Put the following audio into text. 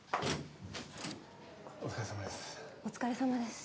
お疲れさまです。